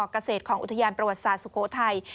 เกษตรของอุทยานประวัติศาสตร์สุโขทัย